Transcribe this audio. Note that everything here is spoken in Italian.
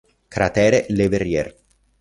Cratere Le Verrier